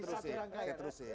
oke terusin ya